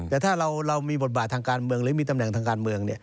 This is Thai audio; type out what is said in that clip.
แต่ถ้าเรามีบทบาททางการเมืองหรือมีตำแหน่งทางการเมือง